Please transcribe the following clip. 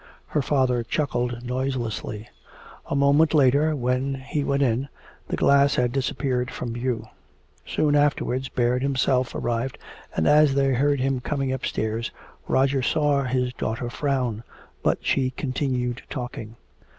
Her father chuckled noiselessly. A moment later, when he went in, the glass had disappeared from view. Soon afterwards Baird himself arrived, and as they heard him coming upstairs Roger saw his daughter frown, but she continued talking.